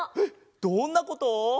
どんなこと？